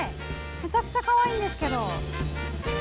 めちゃくちゃかわいいんですけど。